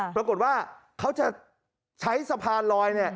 ปรากฏว่าเขาจะใช้สะพานลอยเนี่ย